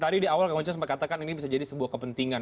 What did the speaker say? tadi di awal kang ujang sempat katakan ini bisa jadi sebuah kepentingan